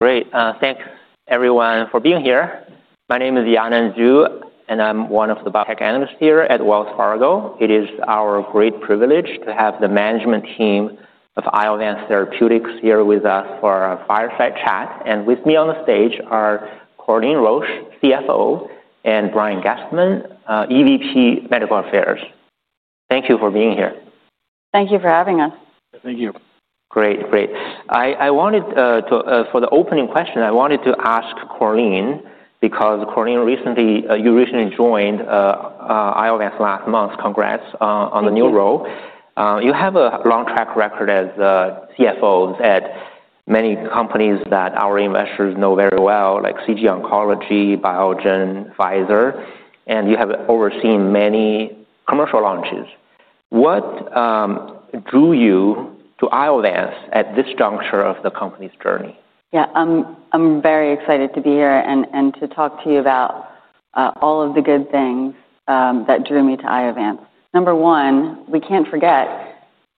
Great. Thanks, everyone, for being here. My name is Yanan Zhu, and I'm one of the [biotech analyst] here at Wells Fargo. It is our great privilege to have the management team of Iovance Biotherapeutics here with us for a fireside chat. With me on the stage are Corleen Roche, CFO, and Brian Gastman, EVP Medical Affairs. Thank you for being here. Thank you for having us. Thank you. Great, great. For the opening question, I wanted to ask Corleen because Corleen, you recently joined Iovance last month on the new role. You have a long track record as the CFO at many companies that our investors know very well, like CG Oncology, Biogen, Pfizer, and you have overseen many commercial launches. What drew you to Iovance at this juncture of the company's journey? Yeah, I'm very excited to be here and to talk to you about all of the good things that drew me to Iovance. Number one, we can't forget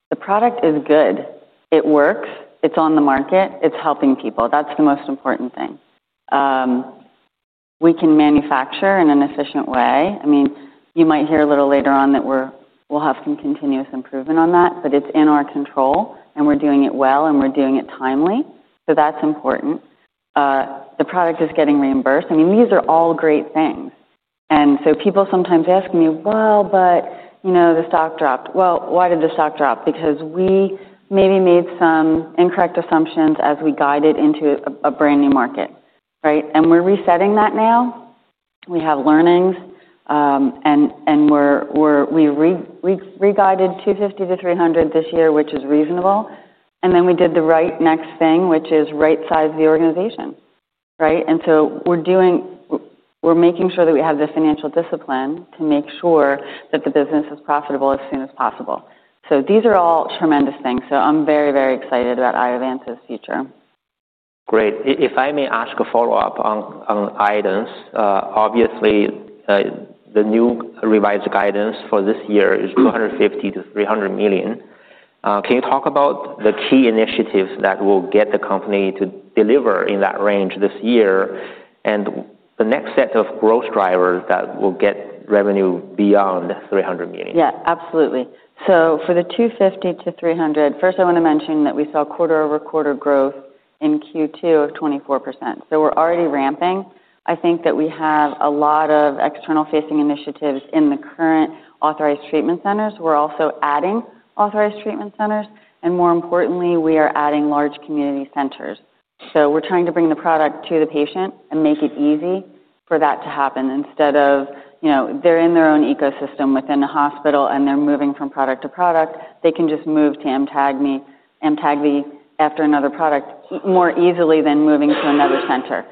the product is good. It works. It's on the market. It's helping people. That's the most important thing. We can manufacture in an efficient way. You might hear a little later on that we'll have some continuous improvement on that, but it's in our control, and we're doing it well, and we're doing it timely. That's important. The product is getting reimbursed. These are all great things. People sometimes ask me, you know the stock dropped. Why did the stock drop? Because we maybe made some incorrect assumptions as we guided into a brand new market, right? We're resetting that now. We have learnings, and we re-guided $250 million-$300 million this year, which is reasonable. We did the right next thing, which is right-size the organization, right? We're making sure that we have the financial discipline to make sure that the business is profitable as soon as possible. These are all tremendous things. I'm very, very excited about Iovance 's future. Great. If I may ask a follow-up on guidance, obviously, the new revised guidance for this year is $250 million- $300 million. Can you talk about the key initiatives that will get the company to deliver in that range this year and the next set of growth drivers that will get revenue beyond $300 million? Yeah, absolutely. For the $250 million- $300 million, first I want to mention that we saw quarter-over-quarter growth in Q2 of 24%. We're already ramping. I think that we have a lot of external-facing initiatives in the current authorized treatment centers. We're also adding authorized treatment centers. More importantly, we are adding large community centers. We're trying to bring the product to the patient and make it easy for that to happen. Instead of, you know, they're in their own ecosystem within the hospital and they're moving from product to product, they can just move to Amtagvi after another product more easily than moving to another center.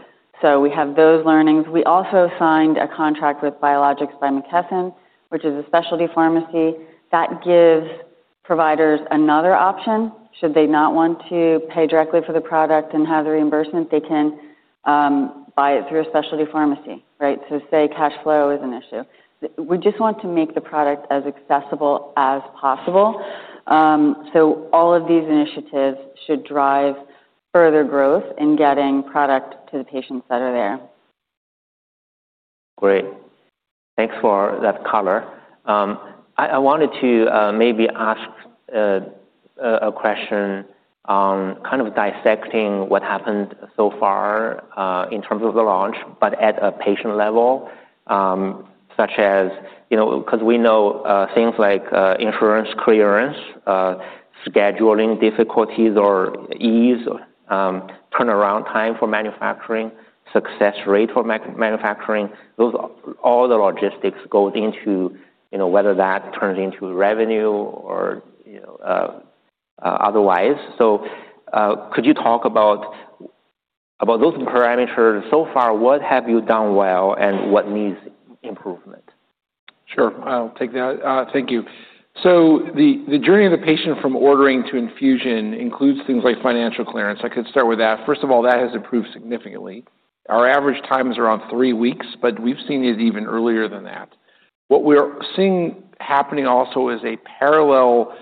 We have those learnings. We also signed a contract with Biologics by McKesson, which is a specialty pharmacy that gives providers another option. Should they not want to pay directly for the product and have the reimbursement, they can buy it through a specialty pharmacy. Right? Say cash flow is an issue. We just want to make the product as accessible as possible. All of these initiatives should drive further growth in getting product to the patients that are there. Great. Thanks for that cover. I wanted to maybe ask a question on kind of dissecting what happened so far in terms of the launch at a patient level, such as, you know, because we know things like insurance clearance, scheduling difficulties or ease, turnaround time for manufacturing, success rate for manufacturing, those, all the logistics go into whether that turns into revenue or, you know, otherwise. Could you talk about those parameters? So far, what have you done well and what needs improvement? Sure. I'll take that. Thank you. The journey of the patient from ordering to infusion includes things like financial clearance. I could start with that. First of all, that has improved significantly. Our average time is around three weeks, but we've seen it even earlier than that. What we're seeing happening also is a parallel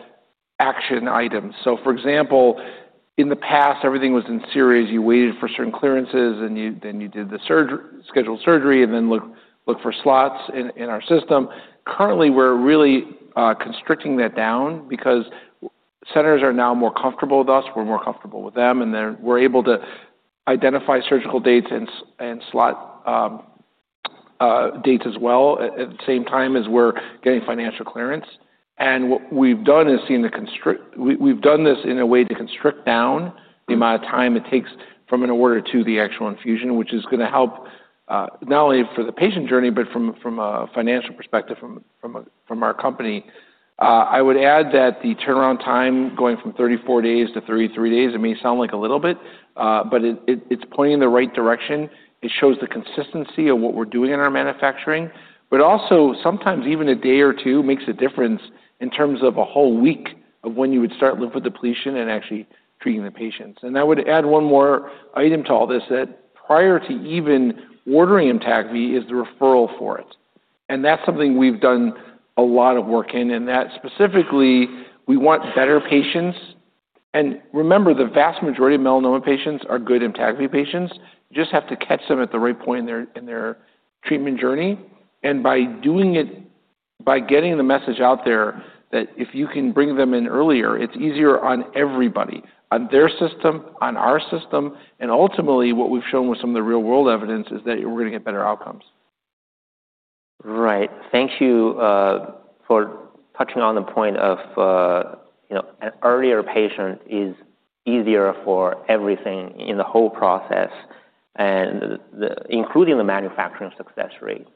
action item. For example, in the past, everything was in series. You waited for certain clearances, then you did the scheduled surgery and then looked for slots in our system. Currently, we're really constricting that down because centers are now more comfortable with us, we're more comfortable with them, and we're able to identify surgical dates and slot dates as well at the same time as we're getting financial clearance. What we've done is seen to constrict. We've done this in a way to constrict down the amount of time it takes from an order to the actual infusion, which is going to help not only for the patient journey, but from a financial perspective from our company. I would add that the turnaround time going from 34 days to 33 days, it may sound like a little bit, but it's pointing in the right direction. It shows the consistency of what we're doing in our manufacturing. Also, sometimes even a day or two makes a difference in terms of a whole week of when you would start lymphoid depletion and actually treating the patients. I would add one more item to all this that prior to even ordering Amtagvi is the referral for it. That's something we've done a lot of work in, and specifically, we want better patients. Remember, the vast majority of melanoma patients are good Amtagvi patients. You just have to catch them at the right point in their treatment journey. By doing it, by getting the message out there that if you can bring them in earlier, it's easier on everybody, on their system, on our system. Ultimately, what we've shown with some of the real-world evidence is that we're going to get better outcomes. Right. Thank you for touching on the point of, you know, an earlier patient is easier for everything in the whole process, including the manufacturing success rate.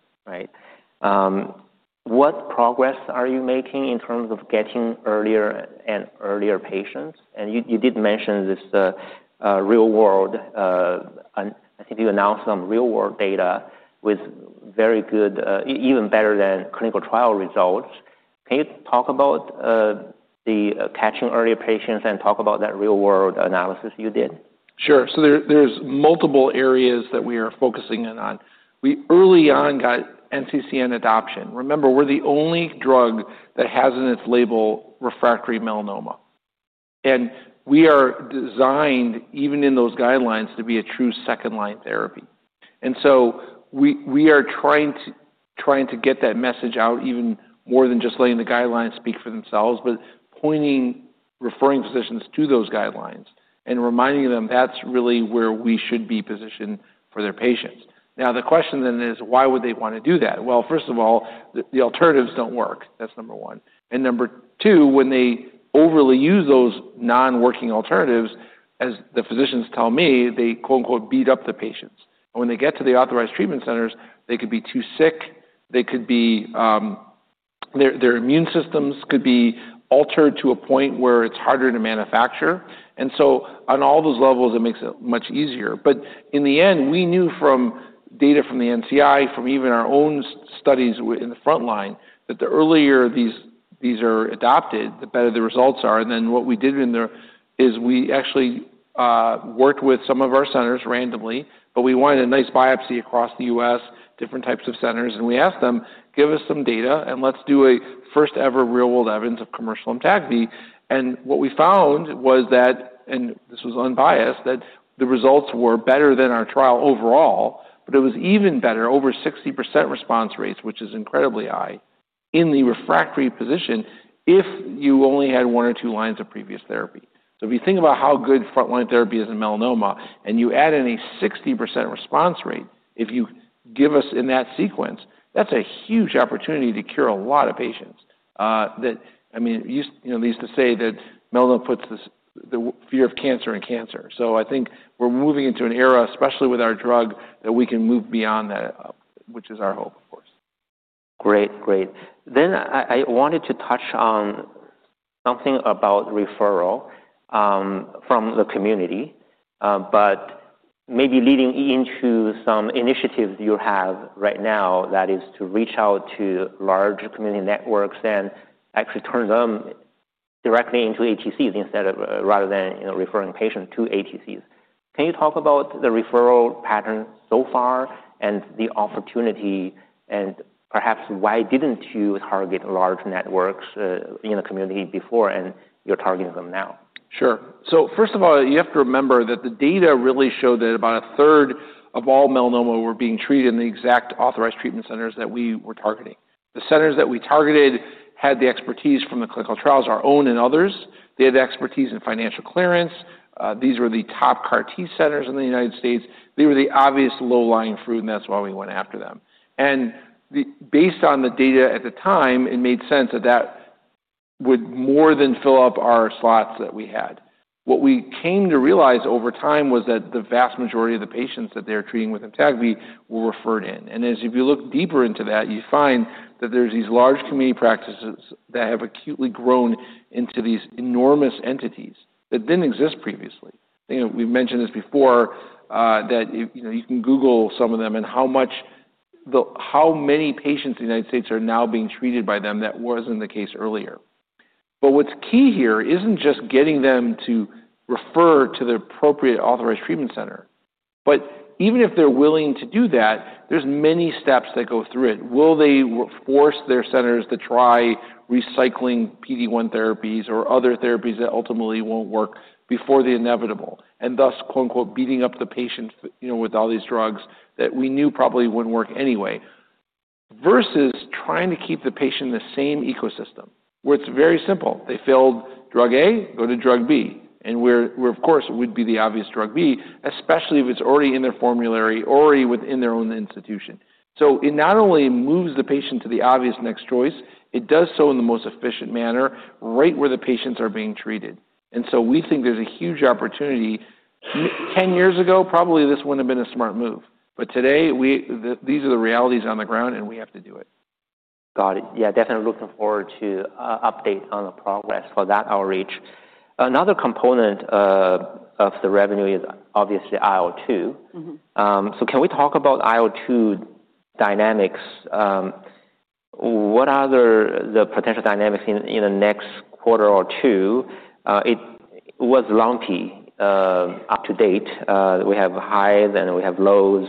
What progress are you making in terms of catching earlier and earlier patients? You did mention this real-world, and I think you announced some real-world data with very good, even better than clinical trial results. Can you talk about the catching earlier patients and talk about that real-world analysis you did? Sure. So there's multiple areas that we are focusing in on. We early on got NCCN adoption. Remember, we're the only drug that has in its label refractory melanoma. We are designed, even in those guidelines, to be a true second-line therapy. We are trying to get that message out even more than just letting the guidelines speak for themselves, but pointing referring physicians to those guidelines and reminding them that's really where we should be positioned for their patients. The question then is, why would they want to do that? First of all, the alternatives don't work. That's number one. Number two, when they overly use those non-working alternatives, as the physicians tell me, they quote-unquote "beat up the patients." When they get to the authorized treatment centers, they could be too sick. Their immune systems could be altered to a point where it's harder to manufacture. On all those levels, it makes it much easier. In the end, we knew from data from the NCI, from even our own studies in the front line, that the earlier these are adopted, the better the results are. What we did in there is we actually worked with some of our centers randomly, but we wanted a nice biopsy across the U.S., different types of centers. We asked them, give us some data, and let's do a first-ever real-world evidence of commercial Amtagvi. What we found was that, and this was unbiased, the results were better than our trial overall, but it was even better, over 60% response rates, which is incredibly high in the refractory position if you only had one or two lines of previous therapy. If you think about how good front-line therapy is in melanoma, and you add in a 60% response rate if you give us in that sequence, that's a huge opportunity to cure a lot of patients. I mean, you know, they used to say that melanoma puts the fear of cancer in cancer. I think we're moving into an era, especially with our drug, that we can move beyond that, which is our hope, of course. Great, great. I wanted to touch on something about referral from the community, maybe leading into some initiatives that you have right now that is to reach out to large community networks and actually turn them directly into ATCs rather than referring patients to ATCs. Can you talk about the referral pattern so far and the opportunity and perhaps why didn't you target large networks in the community before and you're targeting them now? Sure. First of all, you have to remember that the data really showed that about 1/3 of all melanoma were being treated in the exact authorized treatment centers that we were targeting. The centers that we targeted had the expertise from the clinical trials, our own and others. They had the expertise in financial clearance. These were the top CAR T centers in the United States. They were the obvious low-lying fruit, and that's why we went after them. Based on the data at the time, it made sense that that would more than fill up our slots that we had. What we came to realize over time was that the vast majority of the patients that they're treating with Amtagvi were referred in. If you look deeper into that, you find that there's these large community practices that have acutely grown into these enormous entities that didn't exist previously. We mentioned this before, that you can Google some of them and how many patients in the United States are now being treated by them. That wasn't the case earlier. What's key here isn't just getting them to refer to the appropriate authorized treatment center. Even if they're willing to do that, there's many steps that go through it. Will they force their centers to try recycling PD-1 therapies or other therapies that ultimately won't work before the inevitable, and thus quote-unquote "beating up the patients" with all these drugs that we knew probably wouldn't work anyway, versus trying to keep the patient in the same ecosystem where it's very simple? They failed drug A, go to drug B. Of course, it would be the obvious drug B, especially if it's already in their formulary or already within their own institution. It not only moves the patient to the obvious next choice, it does so in the most efficient manner right where the patients are being treated. We think there's a huge opportunity. 10 years ago, probably this wouldn't have been a smart move. Today, these are the realities on the ground, and we have to do it. Got it. Yeah, definitely looking forward to an update on the progress for that outreach. Another component of the revenue is obviously IO2. Can we talk about IO2 dynamics? What are the potential dynamics in the next quarter or two? It was lumpy up to date. We have highs, and we have lows.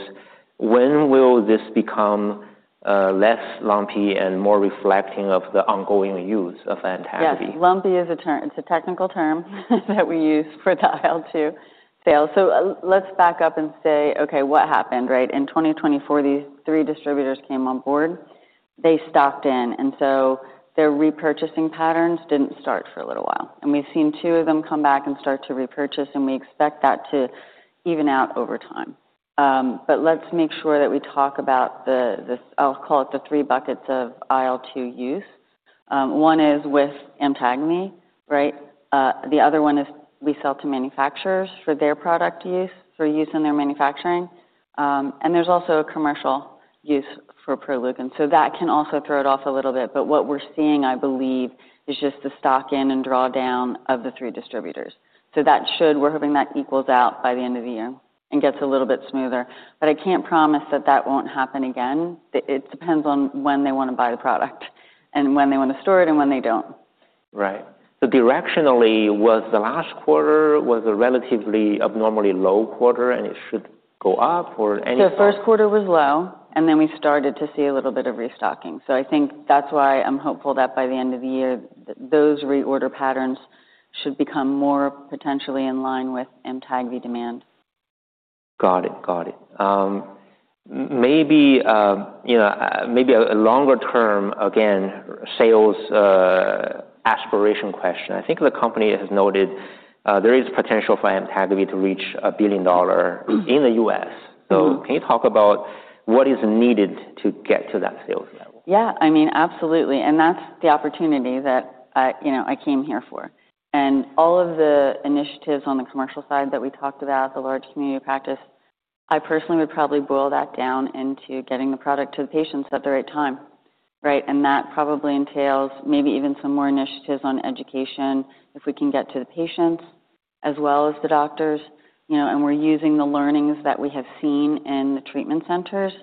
When will this become less lumpy and more reflecting of the ongoing use of Amtagvi? Yes, lumpy is a term. It's a technical term that we use for the IO2 sales. Let's back up and say, okay, what happened, right? In 2024, these three distributors came on board. They stepped in, and their repurchasing patterns didn't start for a little while. We've seen two of them come back and start to repurchase, and we expect that to even out over time. Let's make sure that we talk about the, I'll call it the three buckets of IO2 use. One is with Amtagvi, right? The other one is we sell to manufacturers for their product use, for use in their manufacturing. There's also a commercial use for Proleukin. That can also throw it off a little bit. What we're seeing, I believe, is just the stock in and drawdown of the three distributors. That should, we're hoping, equal out by the end of the year and get a little bit smoother. I can't promise that won't happen again. It depends on when they want to buy the product and when they want to store it and when they don't. Right. Directionally, was the last quarter a relatively abnormally low quarter, and it should go up or anything? The first quarter was low, and then we started to see a little bit of restocking. I think that's why I'm hopeful that by the end of the year, those reorder patterns should become more potentially in line with Amtagvi demand. Got it, got it. Maybe a longer term, again, sales aspiration question. I think the company has noted there is potential for Amtagvi to reach $1 billion in the U.S. Can you talk about what is needed to get to that sales level? Yeah, I mean, absolutely. That's the opportunity that I came here for. All of the initiatives on the commercial side that we talked about, the large community practice, I personally would probably boil that down into getting the product to the patients at the right time, right? That probably entails maybe even some more initiatives on education if we can get to the patients as well as the doctors. We're using the learnings that we have seen in the treatment centers.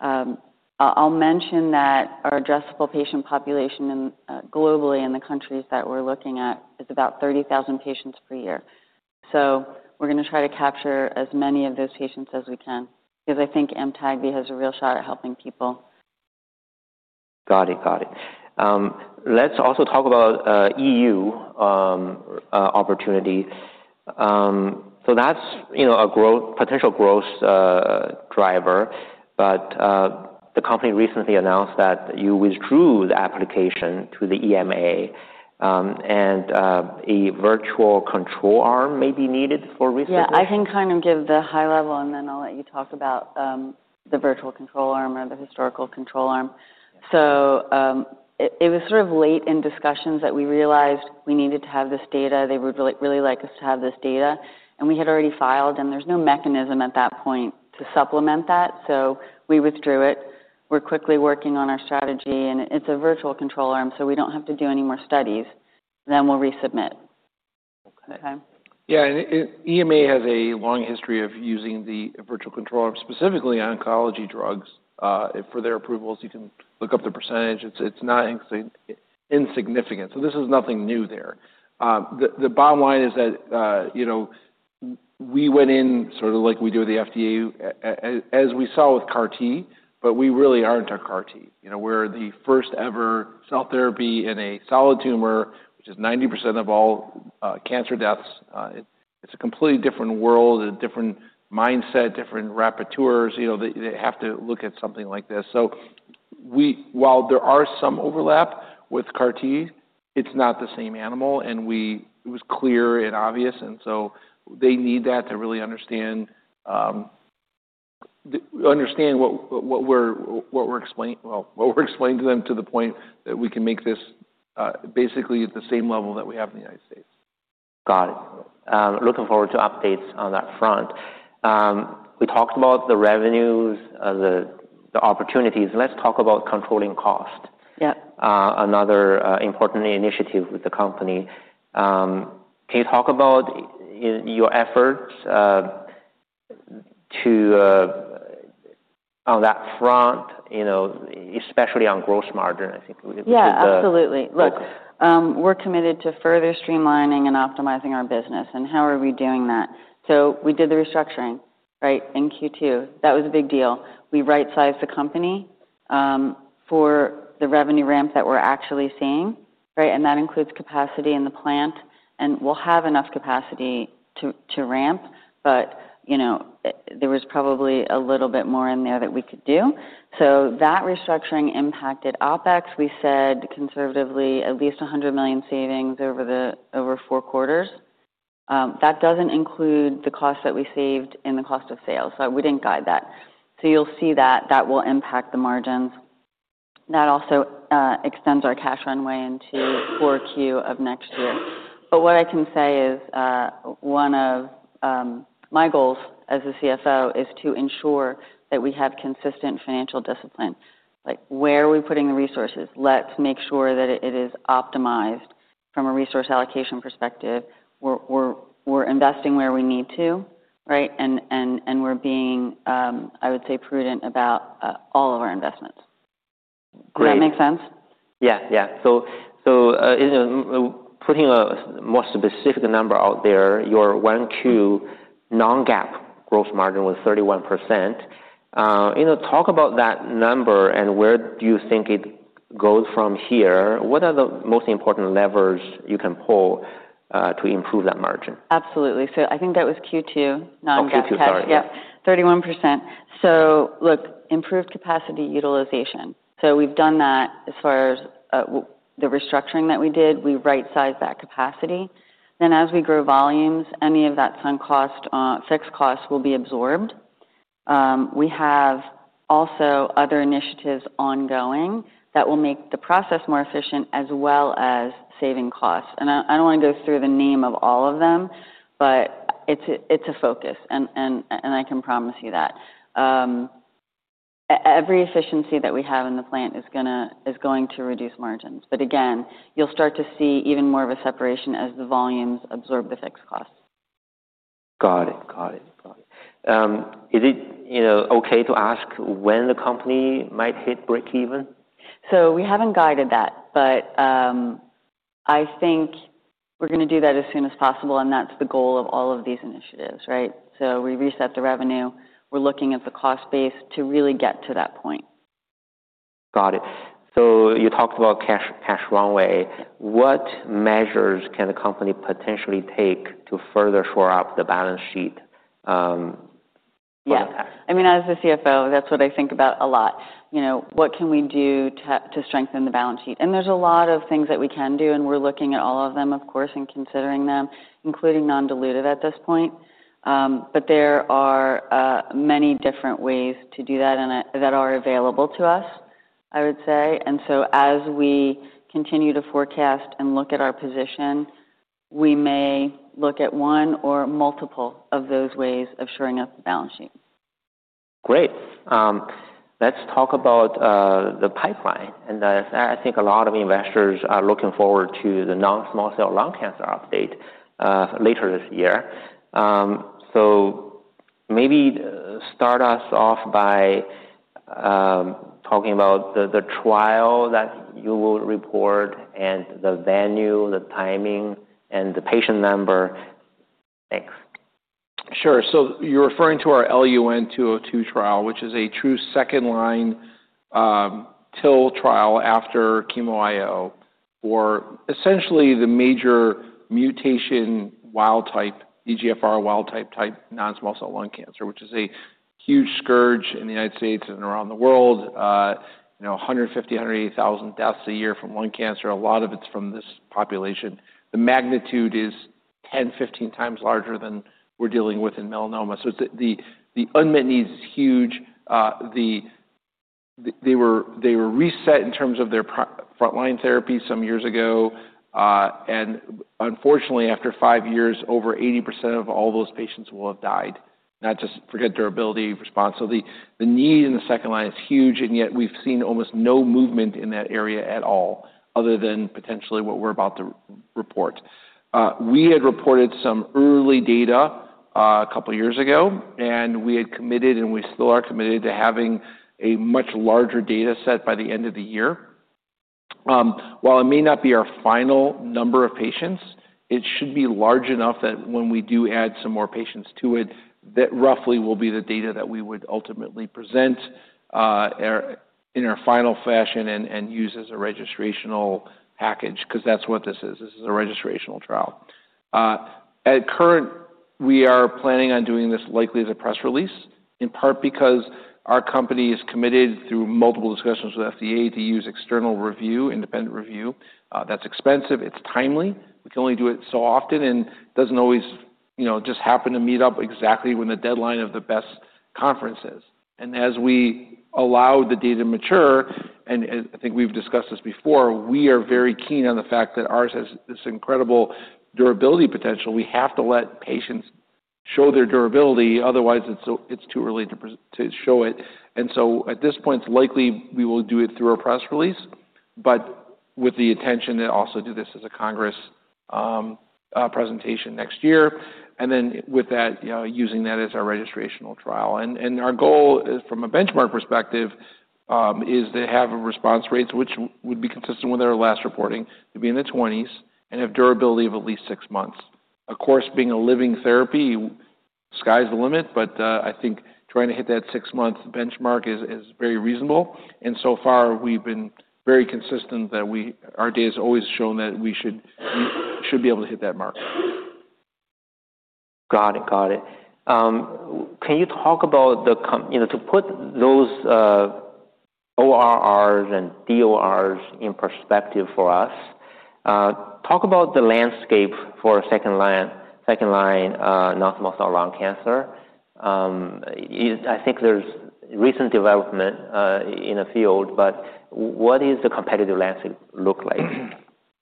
I'll mention that our addressable patient population globally in the countries that we're looking at is about 30,000 patients per year. We're going to try to capture as many of those patients as we can because I think Amtagvi has a real shot at helping people. Got it, got it. Let's also talk about E.U. opportunity. That's, you know, a potential growth driver. The company recently announced that you withdrew the application to the E M A. A virtual control arm may be needed for recent. Yeah, I can kind of give the high level, and then I'll let you talk about the virtual control arm or the historical control arm. It was sort of late in discussions that we realized we needed to have this data. They would really like us to have this data. We had already filed, and there's no mechanism at that point to supplement that. We withdrew it. We're quickly working on our strategy, and it's a virtual control arm. We don't have to do any more studies. We'll resubmit. Okay. Yeah, and the EMA has a long history of using the virtual control arm, specifically in oncology drugs. For their approvals, you can look up the percentage. It's not insignificant. This is nothing new there. The bottom line is that, you know, we went in sort of like we do the FDA as we saw with CAR T, but we really aren't a CAR T. We're the first ever cell therapy in a solid tumor, which is 90% of all cancer deaths. It's a completely different world, a different mindset, different rapporteurs. They have to look at something like this. While there is some overlap with CAR T, it's not the same animal, and it was clear and obvious. They need that to really understand what we're explaining to them to the point that we can make this basically at the same level that we have in the United States. Got it. Looking forward to updates on that front. We talked about the revenues, the opportunities, and let's talk about controlling cost. Yeah. Another important initiative with the company. Can you talk about your efforts on that front, especially on gross margin? I think we should. Yeah, absolutely. Look, we're committed to further streamlining and optimizing our business. How are we doing that? We did the restructuring in Q2. That was a big deal. We right-sized the company for the revenue ramp that we're actually seeing, right? That includes capacity in the plant. We'll have enough capacity to ramp, but you know, there was probably a little bit more in there that we could do. That restructuring impacted OpEx. We said conservatively at least $100 million savings over four quarters. That doesn't include the cost that we saved in the cost of sales. We didn't guide that. You'll see that will impact the margins. That also extends our cash runway into 4Q of next year. What I can say is one of my goals as a CFO is to ensure that we have consistent financial discipline. Where are we putting the resources? Let's make sure that it is optimized from a resource allocation perspective. We're investing where we need to, right? We're being, I would say, prudent about all of our investments. Does that make sense? Yeah. Putting a more specific number out there, your 1Q non-GAAP gross margin was 31%. Talk about that number and where do you think it goes from here. What are the most important levers you can pull to improve that margin? Absolutely. I think that was Q2 non-GAAP. On Q2, sorry. Yeah, 31%. Look, improved capacity utilization. We've done that as far as the restructuring that we did. We right-sized that capacity. As we grow volumes, any of that sunk cost, fixed cost will be absorbed. We have also other initiatives ongoing that will make the process more efficient as well as saving costs. I don't want to go through the name of all of them, but it's a focus. I can promise you that. Every efficiency that we have in the plant is going to reduce margins. You'll start to see even more of a separation as the volumes absorb the fixed costs. Got it. Is it okay to ask when the company might hit break-even? We haven't guided that, but I think we're going to do that as soon as possible. That's the goal of all of these initiatives, right? We reset the revenue. We're looking at the cost base to really get to that point. Got it. You talked about cash runway. What measures can the company potentially take to further shore up the balance sheet? Yeah, I mean, as the CFO, that's what I think about a lot. You know, what can we do to strengthen the balance sheet? There are a lot of things that we can do. We're looking at all of them, of course, and considering them, including non-diluted at this point. There are many different ways to do that that are available to us, I would say. As we continue to forecast and look at our position, we may look at one or multiple of those ways of shoring up the balance sheet. Great. Let's talk about the pipeline. I think a lot of investors are looking forward to the non-small cell lung cancer update later this year. Maybe start us off by talking about the trial that you will report and the venue, the timing, and the patient number. Thanks. Sure. You're referring to our LUN-202 trial, which is a true second-line TIL trial after chemo- IO, or essentially the major mutation wild type, EGFR wild type non-small cell lung cancer, which is a huge scourge in the United States and around the world. You know, 150,000- 180,000 deaths a year from lung cancer. A lot of it's from this population. The magnitude is 10x- 15x larger than we're dealing with in melanoma. The unmet need is huge. They were reset in terms of their front-line therapy some years ago. Unfortunately, after five years, over 80% of all those patients will have died. Not just forget durability response. The need in the second line is huge. Yet we've seen almost no movement in that area at all, other than potentially what we're about to report. We had reported some early data a couple of years ago, and we had committed, and we still are committed to having a much larger data set by the end of the year. While it may not be our final number of patients, it should be large enough that when we do add some more patients to it, that roughly will be the data that we would ultimately present in our final fashion and use as a registrational package, because that's what this is. This is a registrational trial. At current, we are planning on doing this likely as a press release, in part because our company is committed through multiple discussions with the FDA to use external review, independent review. That's expensive. It's timely. We can only do it so often, and it doesn't always, you know, just happen to meet up exactly when the deadline of the best conference is. As we allow the data to mature, and I think we've discussed this before, we are very keen on the fact that ours has this incredible durability potential. We have to let patients show their durability. Otherwise, it's too early to show it. At this point, it's likely we will do it through a press release, but with the intention to also do this as a Congress presentation next year. With that, using that as our registrational trial. Our goal from a benchmark perspective is to have response rates, which would be consistent with our last reporting, to be in the 20s and have durability of at least six months. Of course, being a living therapy, sky's the limit, but I think trying to hit that six months benchmark is very reasonable. So far, we've been very consistent that our data has always shown that we should be able to hit that mark. Got it. Can you talk about the, you know, to put those ORRs and DORs in perspective for us, talk about the landscape for a second-line, second-line non-small cell lung cancer. I think there's recent development in the field, but what does the competitive landscape look like?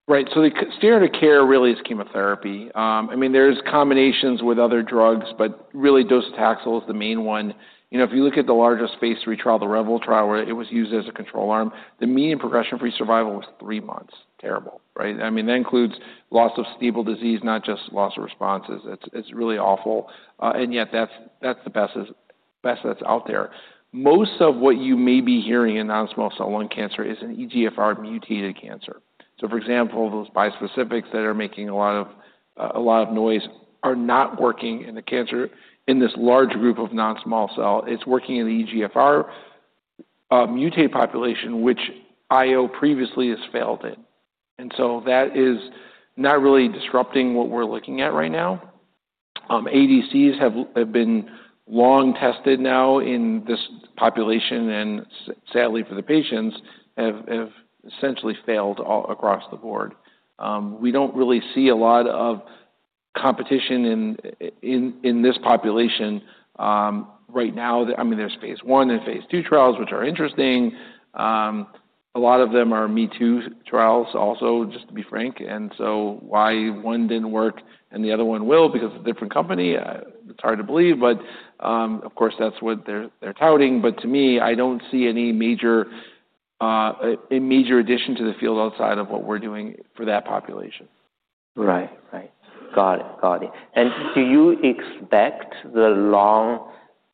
Right. The standard of care really is chemotherapy. There are combinations with other drugs, but really docetaxel is the main one. If you look at the larger space retrial, the REVEL trial, where it was used as a control arm, the median progression-free survival was three months. Terrible, right? That includes loss of stable disease, not just loss of responses. It's really awful. Yet that's the best that's out there. Most of what you may be hearing in non-small cell lung cancer is an EGFR-mutated cancer. For example, those bispecifics that are making a lot of noise are not working in the cancer in this large group of non-small cell. It's working in the EGFR-mutated population, which IO previously has failed in. That is not really disrupting what we're looking at right now. ADCs have been long tested now in this population, and sadly for the patients, have essentially failed across the board. We don't really see a lot of competition in this population right now. There are phase I and phase II trials, which are interesting. A lot of them are me- too trials also, just to be frank. Why one didn't work and the other one will because of a different company? It's hard to believe. Of course, that's what they're touting. To me, I don't see any major addition to the field outside of what we're doing for that population. Right. Got it. Do you expect the long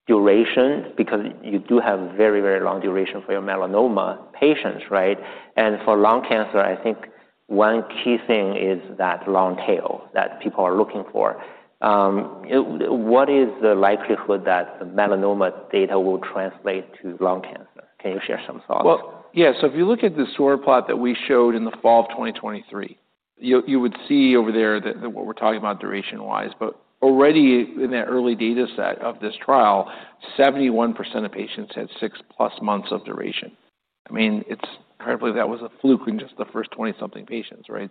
duration because you do have very, very long duration for your melanoma patients, right? For lung cancer, I think one key thing is that long tail that people are looking for. What is the likelihood that the melanoma data will translate to lung cancer? Can you share some thoughts? If you look at the SOAR plot that we showed in the fall of 2023, you would see over there what we're talking about duration-wise. Already in that early data set of this trial, 71% of patients had +6 months of duration. It's kind of like that was a fluke in just the first 20-something patients, right?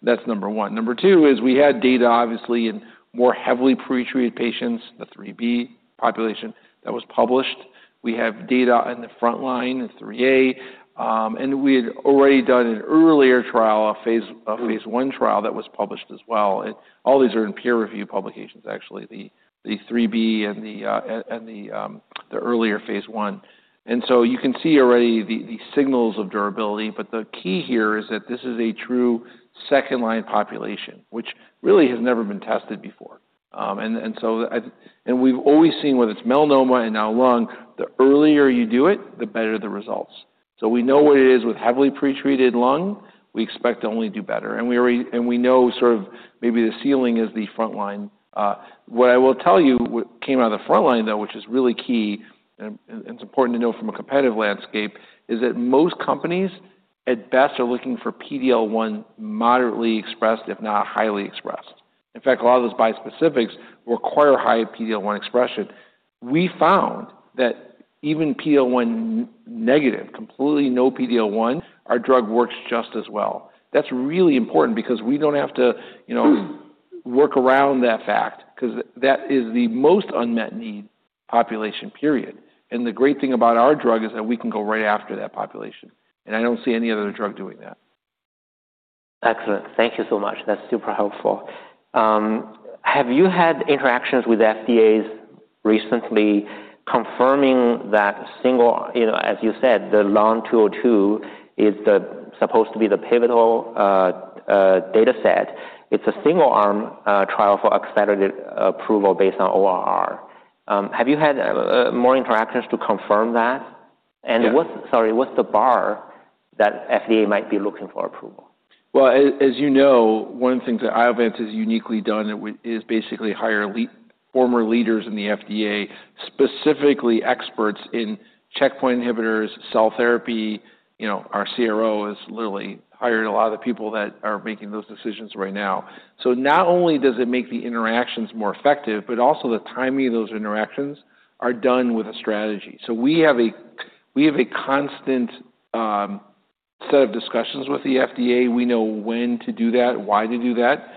That's number one. Number two is we had data, obviously, in more heavily pretreated patients, the IIIB population that was published. We have data in the front line, the IIIA. We had already done an earlier trial, a phase I trial that was published as well. All these are in peer review publications, actually, the IIIB and the earlier phase I. You can see already the signals of durability. The key here is that this is a true second-line population, which really has never been tested before. We've always seen whether it's melanoma and now lung, the earlier you do it, the better the results. We know what it is with heavily pretreated lung. We expect to only do better. We know sort of maybe the ceiling is the front line. What I will tell you came out of the front line, though, which is really key, and it's important to know from a competitive landscape, is that most companies at best are looking for PD-L1 moderately expressed, if not highly expressed. In fact, a lot of those bispecifics require high PD-L1 expression. We found that even PD-L1 negative, completely no PD-L1, our drug works just as well. That's really important because we don't have to work around that fact because that is the most unmet need population, period. The great thing about our drug is that we can go right after that population. I don't see any other drug doing that. Excellent. Thank you so much. That's super helpful. Have you had interactions with the FDA recently confirming that single, you know, as you said, the LUN-202 is supposed to be the pivotal data set? It's a single-arm trial for accelerated approval based on ORR. Have you had more interactions to confirm that? What's the bar that the FDA might be looking for approval? As you know, one of the things that Iovance has uniquely done is basically hire former leaders in the FDA, specifically experts in checkpoint inhibitors and cell therapy. Our CRO has literally hired a lot of the people that are making those decisions right now. Not only does it make the interactions more effective, but also the timing of those interactions is done with a strategy. We have a constant set of discussions with the FDA. We know when to do that, why to do that.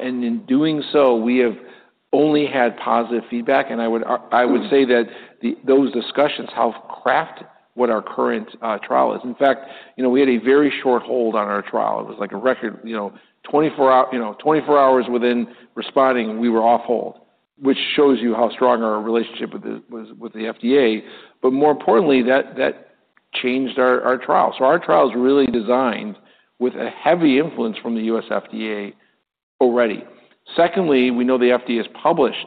In doing so, we have only had positive feedback. I would say that those discussions help craft what our current trial is. In fact, we had a very short hold on our trial. It was like a record, 24 hours within responding, and we were off hold, which shows you how strong our relationship was with the FDA. More importantly, that changed our trial. Our trial is really designed with a heavy influence from the U.S. FDA already. Secondly, we know the FDA has published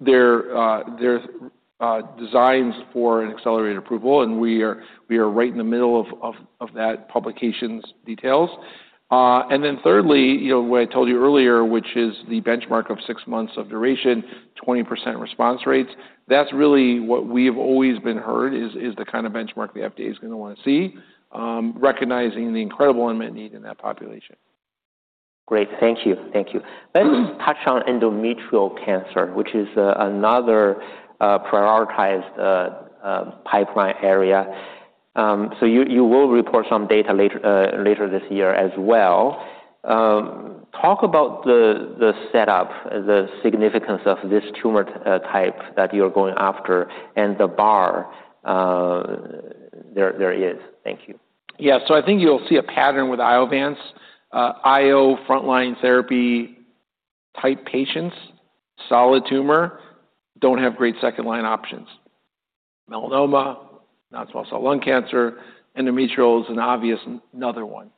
their designs for an accelerated approval, and we are right in the middle of that publication's details. Thirdly, what I told you earlier, which is the benchmark of six months of duration, 20% response rates. That's really what we've always been heard is the kind of benchmark the FDA is going to want to see, recognizing the incredible unmet need in that population. Great. Thank you. Thank you. Let's touch on endometrial cancer, which is another prioritized pipeline area. You will report some data later this year as well. Talk about the setup, the significance of this tumor type that you're going after, and the bar there is. Thank you. Yeah. I think you'll see a pattern with Iovance . IO front-line therapy type patients, solid tumor, don't have great second-line options. Melanoma, non-small cell lung cancer, endometrial is an obvious another one.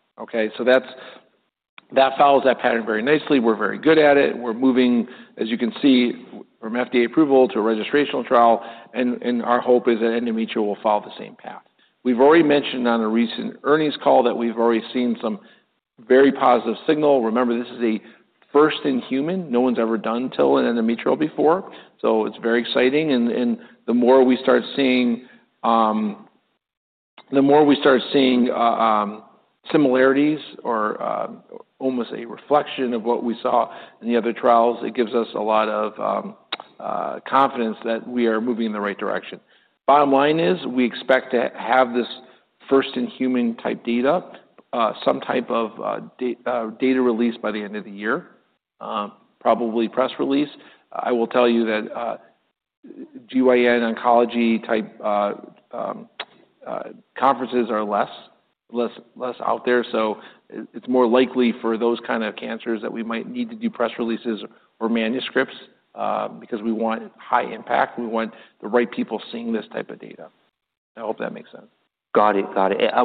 That follows that pattern very nicely. We're very good at it. We're moving, as you can see, from FDA approval to a registrational trial. Our hope is that endometrial will follow the same path. We've already mentioned on a recent earnings call that we've already seen some very positive signal. Remember, this is a first- in- human. No one's ever done TIL in endometrial before. It's very exciting. The more we start seeing similarities or almost a reflection of what we saw in the other trials, it gives us a lot of confidence that we are moving in the right direction. Bottom line is we expect to have this first-in-human type data, some type of data release by the end of the year, probably press release. I will tell you that GYN oncology type conferences are less out there. It's more likely for those kinds of cancers that we might need to do press releases or manuscripts because we want high impact. We want the right people seeing this type of data. I hope that makes sense. Got it.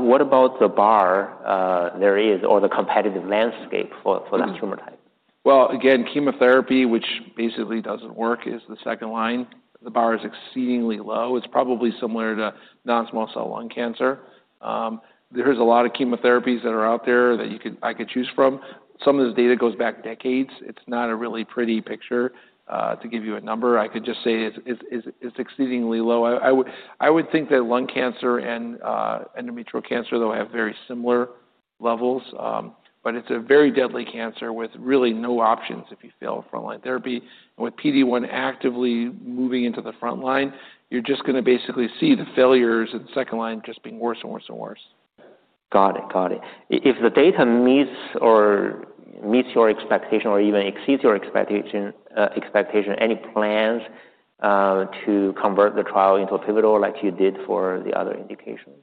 What about the bar there is or the competitive landscape for that tumor type? Chemotherapy, which basically doesn't work, is the second line. The bar is exceedingly low. It's probably similar to non-small cell lung cancer. There are a lot of chemotherapies that are out there that I could choose from. Some of this data goes back decades. It's not a really pretty picture to give you a number. I could just say it's exceedingly low. I would think that lung cancer and endometrial cancer, though, have very similar levels. It is a very deadly cancer with really no options if you fail front-line therapy. With PD-1 actively moving into the front line, you're just going to basically see the failures in the second line just being worse and worse and worse. Got it. Got it. If the data meets your expectation or even exceeds your expectation, any plans to convert the trial into a pivotal like you did for the other indication?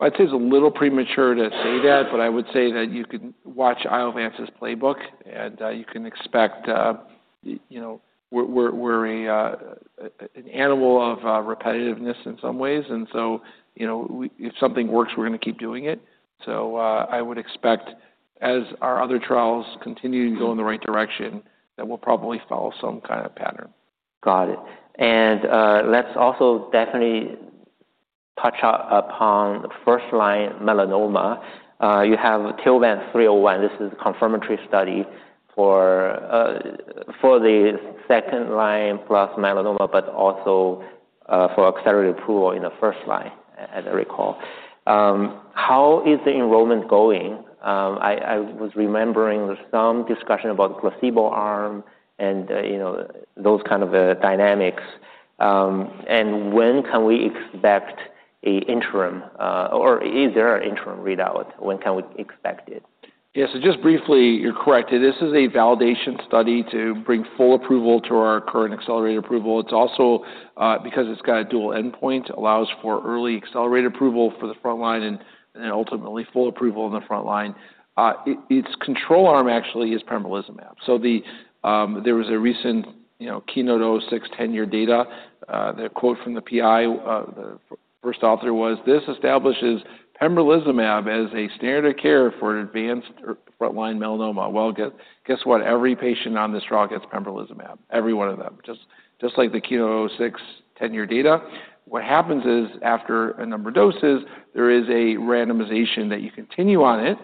I'd say it's a little premature to say that, but I would say that you can watch Iovance's playbook, and you can expect, you know, we're an animal of repetitiveness in some ways. If something works, we're going to keep doing it. I would expect, as our other trials continue to go in the right direction, that we'll probably follow some kind of pattern. Got it. Let's also definitely touch upon the first-line melanoma. You have TILVANCE 301. This is a confirmatory study for the second-line plus melanoma, but also for accelerated approval in the first line, as I recall. How is the enrollment going? I was remembering some discussion about the placebo arm and those kinds of dynamics. When can we expect an interim, or is there an interim readout? When can we expect it? Yeah, so just briefly, you're correct. This is a validation study to bring full approval to our current accelerated approval. It's also because it's got a dual endpoint, allows for early accelerated approval for the front- line and then ultimately full approval in the front line. Its control arm actually is pembrolizumab. There was a recent, you know, KEYNOTE-006 10-year data. The quote from the PI, the first author was, "This establishes pembrolizumab as a standard of care for advanced front-line melanoma." Guess what? Every patient on this trial gets pembrolizumab, every one of them, just like the KEYNOTE-006 10-year data . What happens is after a number of doses, there is a randomization that you continue on it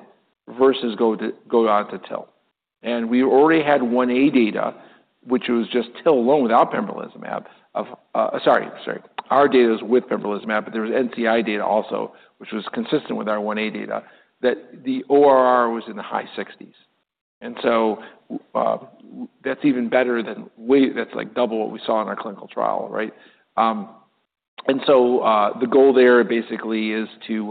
versus going on to TIL. We already had phase 1A data, which was just TIL alone without pembrolizumab. Sorry, sorry. Our data is with pembrolizumab, but there was NCI data also, which was consistent with our phase 1A data, that the ORR was in the high 60%. That's even better than, wait, that's like double what we saw in our clinical trial, right? The goal there basically is to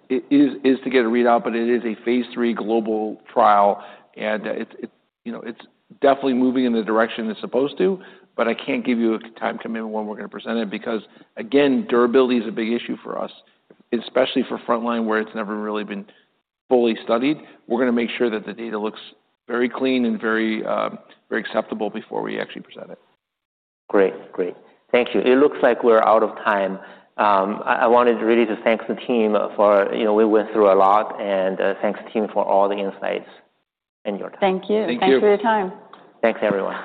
get a readout, but it is a phase III global trial. It's definitely moving in the direction it's supposed to, but I can't give you a time commitment when we're going to present it because, again, durability is a big issue for us, especially for front- line where it's never really been fully studied. We're going to make sure that the data looks very clean and very, very acceptable before we actually present it. Great, great. Thank you. It looks like we're out of time. I wanted to really thank the team for, you know, we went through a lot, and thanks to the team for all the insights and your time. Thank you. Thanks for your time. Thanks, everyone.